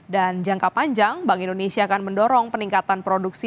dan jangka panjang bang indonesia akan mendorong peningkatan produksi